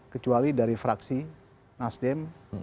kecuali dari fraksi nasdem